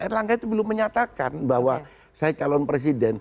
erlangga itu belum menyatakan bahwa saya calon presiden